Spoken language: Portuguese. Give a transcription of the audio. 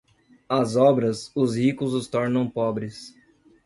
As obras, os ricos os tornam pobres.